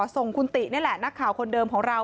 ส่งคุณตินี่แหละนักข่าวคนเดิมของเรา